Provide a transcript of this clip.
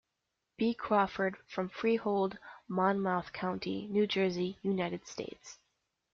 B. Crawford from Freehold, Monmouth County, New Jersey, United States.